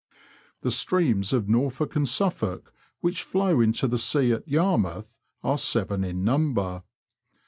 The streams Of Norfolk and Suffolk which flow into the sea at Yarmouth are seven in number.